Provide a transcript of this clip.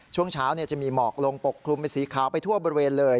ช่วงเช้าจะมีหมอกลงปกคลุมเป็นสีขาวไปทั่วบริเวณเลย